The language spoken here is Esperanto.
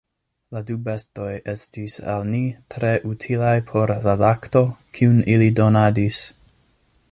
La du bestoj estis al ni tre utilaj pro la lakto, kiun ili donadis.